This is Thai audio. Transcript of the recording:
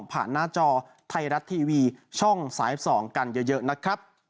ผ่านหน้าจอไทยรัฐทีวีช่องสายอัพสองกันเยอะนะครับ